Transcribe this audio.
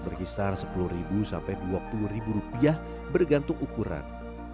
berkisar sepuluh sampai dua puluh rupiah bergantung ukuran